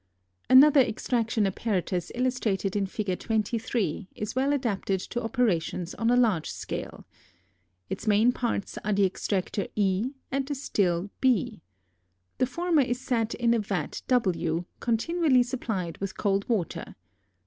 Another extraction apparatus illustrated in Fig. 23 is well adapted to operations on a large scale. Its main parts are the extractor E and the still B. The former is set in a vat W continually supplied with cold water.